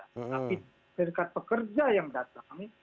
tapi serikat pekerja yang datang